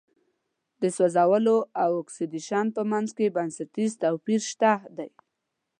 د سوځولو او اکسیدیشن په منځ کې بنسټیز توپیر شته دی.